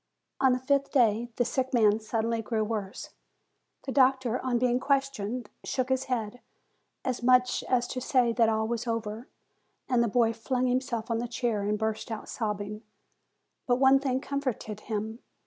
On the fifth day the sick man suddenly grew worse. The doctor, on being questioned, shook his head, as much as to say that all was over, and the boy flung himself on a chair and burst out sobbing. But one thing comforted him.